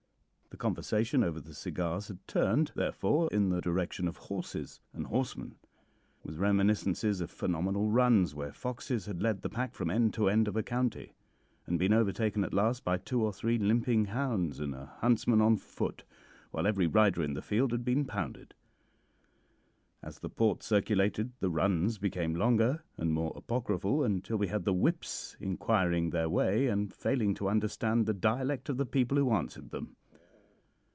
The conversation over the cigars had turned, therefore, in the direction of horses and horsemen, with reminiscences of phenomenal runs where foxes had led the pack from end to end of a county, and been overtaken at last by two or three limping hounds and a huntsman on foot, while every rider in the field had been pounded. As the port circulated the runs became longer and more apocryphal, until we had the whips inquiring their way and failing to understand the dialect of the people who answered them.